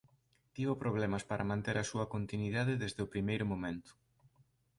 Tivo problemas para manter a súa continuidade desde o primeiro momento.